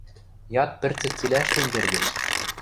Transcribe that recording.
Яд пӹрцӹк цилӓ ӹштен кердеш...